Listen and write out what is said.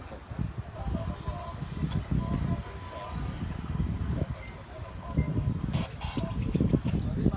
กลับมาเมื่อเวลาเมื่อเวลา